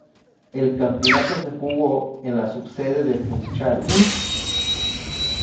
El campeonato se jugó en la subsede de Funchal.